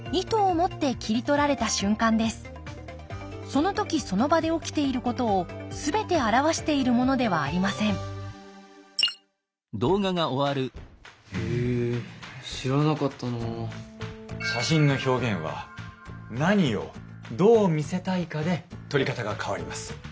その時その場で起きていることをすべて表しているものではありませんへえ知らなかったな。